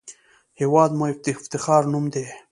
هېواد مو د افتخار نوم دی